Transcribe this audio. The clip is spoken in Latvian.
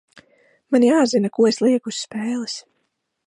Man jāzina, ko es lieku uz spēles.